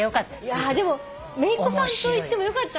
いやでもめいっ子さんと行ってよかったね。